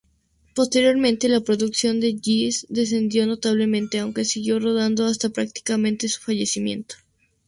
Posteriormente la producción de Jess descendió notablemente aunque siguió rodando hasta prácticamente su fallecimiento.